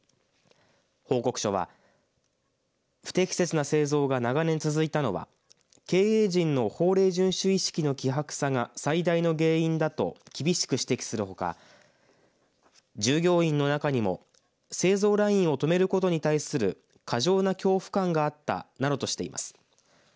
報告書は不適切な製造が長年続いたのは経営陣の法令順守意識の希薄さが最大の原因だと厳しく指摘するほか従業員の中にも製造ラインを止めることに対する過剰な恐怖感があったなどとしています。